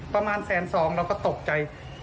ประมาณแสนสองเราก็ตกใจ